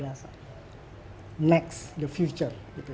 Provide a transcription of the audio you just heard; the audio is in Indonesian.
itu jangkaan masa depan